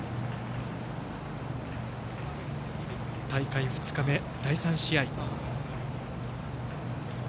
大会２日目、第３試合。